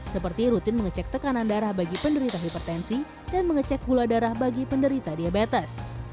seperti rutin mengecek tekanan darah bagi penderita hipertensi dan mengecek gula darah bagi penderita diabetes